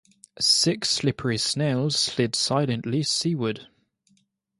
Six slippery snails slid silently seaward.